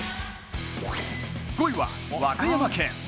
５位は和歌山県。